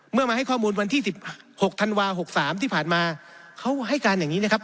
มาให้ข้อมูลวันที่๑๖ธันวา๖๓ที่ผ่านมาเขาให้การอย่างนี้นะครับ